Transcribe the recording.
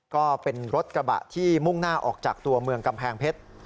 ก็เป็นรถกระบะที่มุ่งหน้าออกจากตัวเมืองกำแพงเพชร